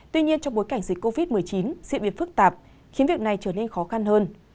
tuy nhiên trong bối cảnh dịch covid một mươi chín diễn biến phức tạp khiến việc này trở nên khó khăn hơn